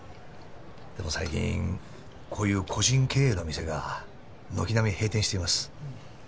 でも最近こういう個人経営の店が軒並み閉店しています。